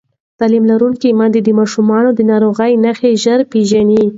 تعلیم لرونکې میندې د ماشومانو د ناروغۍ نښې ژر پېژني